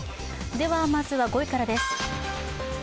まずは５位からです。